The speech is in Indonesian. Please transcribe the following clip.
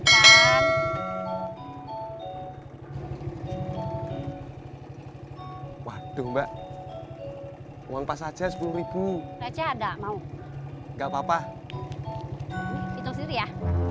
hai waduh mbak uang pas aja rp sepuluh ada gak papa papa ya